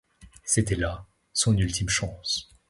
C'était là son ultime chance.